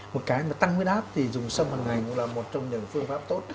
một cái mà tăng với áp thì dùng sâm hằng ngày cũng là một trong những phương pháp tốt